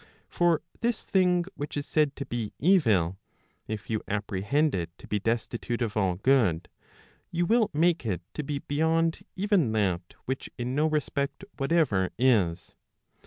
For this thing which is said to be evil, if you apprehend it to be destitute of all good, you will make it to be beyond even that which in no respect whatever is.